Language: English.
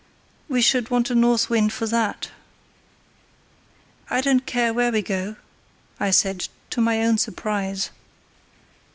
We should want a north wind for that." "I don't care where we go," I said, to my own surprise.